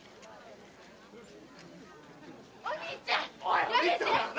・お兄ちゃん。